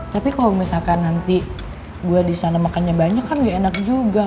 tapi kalau misalkan nanti gue di sana makannya banyak kan gak enak juga